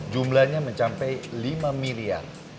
jumlahnya mencapai lima miliar